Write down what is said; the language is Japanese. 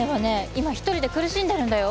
今一人で苦しんでるんだよ？